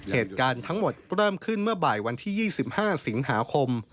เหตุการณ์ทั้งหมดเริ่มขึ้นเมื่อบ่ายวันที่๒๕สิงหาคม